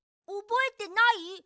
おぼえてない？